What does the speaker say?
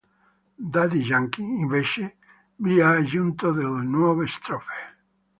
Daddy Yankee, invece, vi ha aggiunto delle nuove strofe.